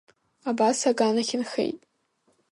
Абас аган ахь инхеит.